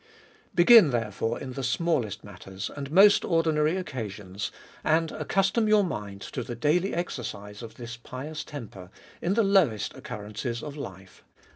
Begin, therefore, in the smallest matters, and most ordinary occasions, and accustom your mind to the daily exercise of this pious temper, in the lowest oc currences of life.